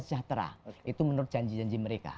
sejahtera itu menurut janji janji mereka